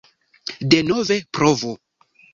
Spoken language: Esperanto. Denove provu